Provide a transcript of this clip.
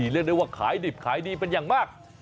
เรียกได้ว่าขายดิบขายดีเป็นอย่างมาก